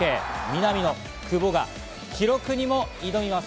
南野、久保が記録にも挑みます。